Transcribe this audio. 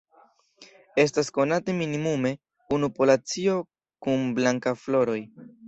Estas konate minimume unu populacio kun blanka floroj.